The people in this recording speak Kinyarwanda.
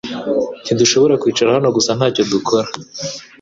Ntidushobora kwicara hano gusa ntacyo dukora .